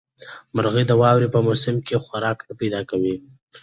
مرغۍ د واورې په موسم کې خوراک نه پیدا کوي.